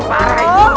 pak d pak d